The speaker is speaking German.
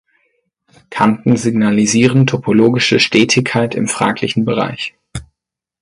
Kanten signalisieren topologische Stetigkeit im fraglichen Bereich.